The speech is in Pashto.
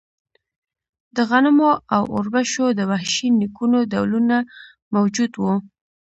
د غنمو او اوربشو د وحشي نیکونو ډولونه موجود وو.